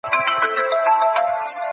ښه چلند د ستونزو پر مهال تاسو ارام ساتي.